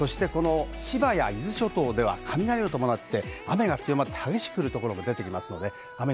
千葉や伊豆諸島では雷を伴って、雨が強まって激しく降る所も出てきます。